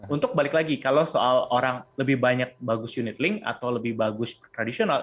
untuk balik lagi kalau soal orang lebih banyak bagus unit link atau lebih bagus tradisional